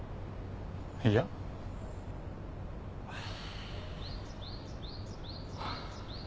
いや。ハァ。